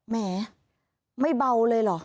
แหมไม่เบาเลยเหรอ